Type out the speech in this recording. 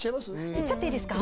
いっちゃっていいですか？